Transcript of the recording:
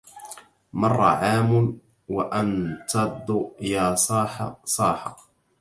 مر عام وأنتض يا صاح صاح